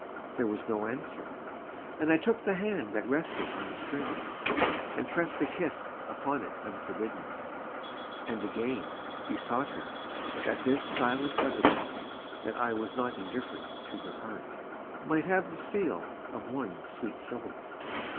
There was no answer, and I took the hand That rested on the strings, and pressed a kiss Upon it unforbidden and again Besought her, that this silent evidence That I was not indifferent to her heart, Might have the seal of one sweet syllable.